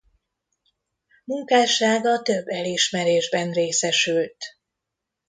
Munkássága több elismerésben részesült.